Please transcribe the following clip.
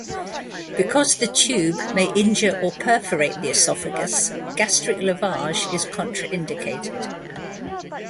Because the tube may injure or perforate the esophagus, gastric lavage is contraindicated.